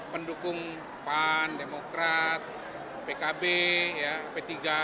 pendukung pan demokrat pkb p tiga